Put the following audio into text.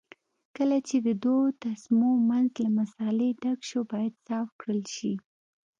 کله چې د دوو تسمو منځ له مسالې ډک شو باید صاف کړل شي.